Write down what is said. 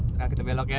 sekarang kita belok ya